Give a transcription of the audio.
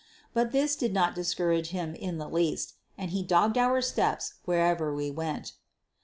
But this did not discourage him in the least, and he dogged our footsteps wherever we went.